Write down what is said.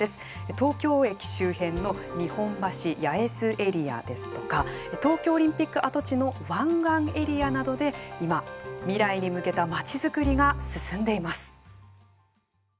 東京駅周辺の日本橋・八重洲エリアですとか東京オリンピック跡地の湾岸エリアなどで今、未来に向けた街づくりが進んでいます。